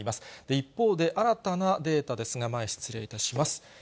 一方で、新たなデータですが、前、失礼いたします。